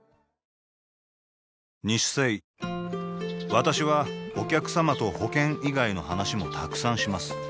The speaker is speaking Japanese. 私はお客様と保険以外の話もたくさんします